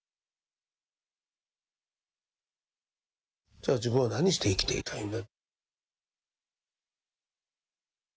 じゃあ自分は何して生きていたいんだ。